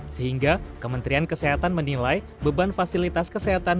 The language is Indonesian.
sehingga kementerian kesehatan menilai beban fasilitas kesehatan